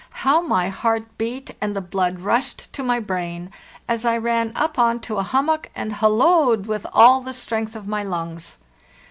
How my heart beat and the blood rush ed to my brain as [ ran up on to a hummock and hallooed with all the strength of my lungs!